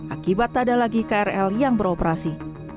akibat tak ada lagi krl yang beroperasi